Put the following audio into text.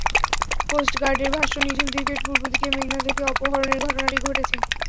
কোস্টগার্ডের ভাষ্য, নিঝুম দ্বীপের পূর্ব দিকে মেঘনা থেকে অপহরণের ঘটনাটি ঘটেছে।